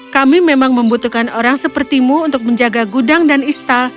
kami memang membutuhkan orang sepertimu untuk menjaga gudang dan istal